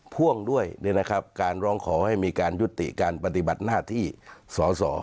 พ่วงด้วยการร้องขอให้มีการยุติการปฏิบัติหน้าที่สอสอ